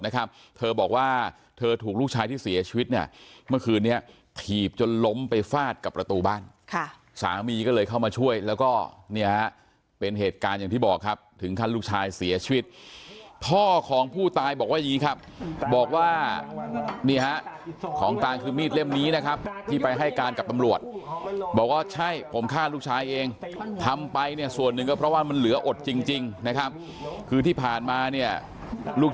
กับประตูบ้านค่ะสามีก็เลยเข้ามาช่วยแล้วก็เนี้ยเป็นเหตุการณ์อย่างที่บอกครับถึงขั้นลูกชายเสียชีวิตท่อของผู้ตายบอกว่าอย่างงี้ครับบอกว่านี่ฮะของตายคือมีดเล่มนี้นะครับที่ไปให้การกับตำรวจบอกว่าใช่ผมฆ่าลูกชายเองทำไปเนี้ยส่วนหนึ่งก็เพราะว่ามันเหลืออดจริงจริงนะครับคือที่ผ่านมาเนี้ยลูก